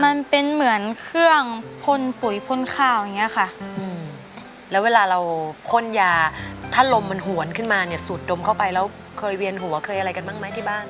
มันเป็นเหมือนเครื่องพ่นปุ๋ยพ่นข้าวอย่างนี้ค่ะแล้วเวลาเราพ่นยาถ้าลมมันหวนขึ้นมาเนี่ยสูดดมเข้าไปแล้วเคยเวียนหัวเคยอะไรกันบ้างไหมที่บ้าน